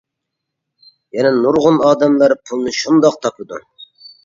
يەنە نۇرغۇن ئادەملەر پۇلنى شۇنداق تاپىدۇ.